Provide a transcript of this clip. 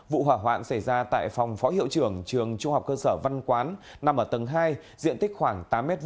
vụ hỏa hoạn xảy ra tại phòng phó hiệu trưởng trường trung học cơ sở văn quán nằm ở tầng hai diện tích khoảng tám m hai